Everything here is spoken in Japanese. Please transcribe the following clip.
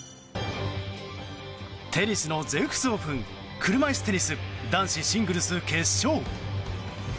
テニスの全仏オープン車いすテニス男子シングルス決勝。